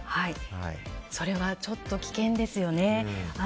それはちょっと危険ですね。